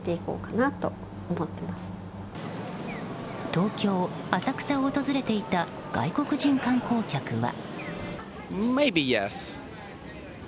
東京・浅草を訪れていた外国人観光客は。